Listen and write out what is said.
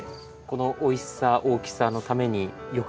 このおいしさ大きさのために欲張らない。